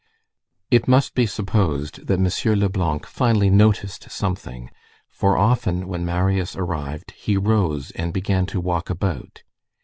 It must be supposed, that M. Leblanc finally noticed something, for often, when Marius arrived, he rose and began to walk about.